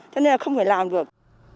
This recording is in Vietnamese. thế nên là không phải làm được